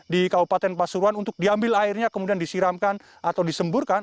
di kabupaten pasuruan untuk diambil airnya kemudian disiramkan atau disemburkan